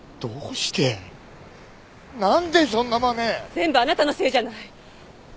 全部あなたのせいじゃない！